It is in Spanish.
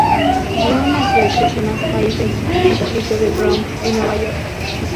Dion nació y creció en las calles del distrito de Bronx, en Nueva York.